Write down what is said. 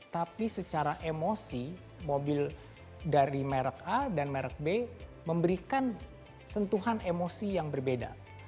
tapi secara emosi mobil dari merek a dan merek b memberikan sentuhan emosi yang berbeda